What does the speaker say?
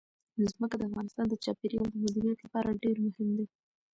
ځمکه د افغانستان د چاپیریال د مدیریت لپاره ډېر مهم دي.